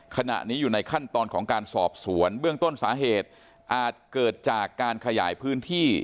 ขณะนี้อยู่ในขั้นตอนของการสอบสวนเบื้องต้นสาเหตุอาจเกิดจากการขยายพื้นที่